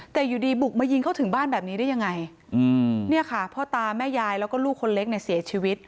แต่อยู่ดีบุกมายิงเขาถึงบ้านแบบนี้ได้ยังไงเนี่ยค่ะพ่อตาแม่ยายแล้วก็ลูกคนเล็กเนี่ยเสียชีวิต